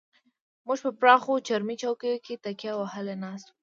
موږ په پراخو چرمي چوکیو کې تکیه وهلې ناست وو.